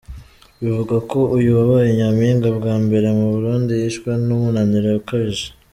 Bivugwa ko uyu wabaye Nyampinga bwa mbere mu Burundi yishwe n’umunaniro ukaije.